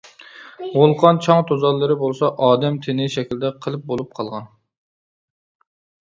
ۋولقان چاڭ-توزانلىرى بولسا ئادەم تېنى شەكلىدە قېلىپ بولۇپ قالغان.